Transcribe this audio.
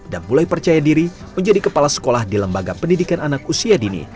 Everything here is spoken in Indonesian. dan mulai percaya diri menjadi kepala sekolah di lembaga pendidikan anak usia dini